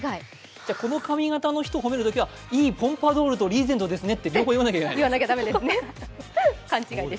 じゃあ、この髪形の人を褒めるときは、いいポンパドールとリーゼントですねって言わなきゃいけない。